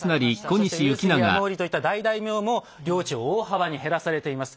そして上杉や毛利といった大大名も領地を大幅に減らされています。